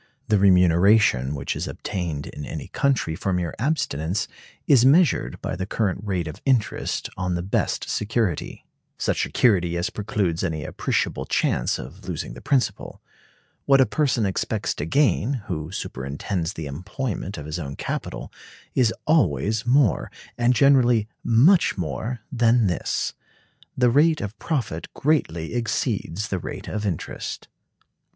The remuneration which is obtained in any country for mere abstinence is measured by the current rate of interest on the best security; such security as precludes any appreciable chance of losing the principal. What a person expects to gain, who superintends the employment of his own capital, is always more, and generally much more, than this. The rate of profit greatly exceeds the rate of interest.